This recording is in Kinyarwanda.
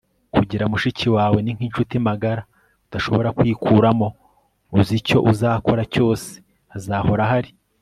kugira mushiki wawe ni nkinshuti magara udashobora kwikuramo. uzi icyo uzakora cyose. azahora ahari